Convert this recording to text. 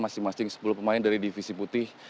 masing masing sepuluh pemain dari divisi putih